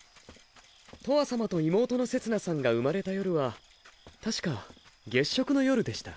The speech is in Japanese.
とわさまと妹のせつなさんが生まれた夜は確か月蝕の夜でした。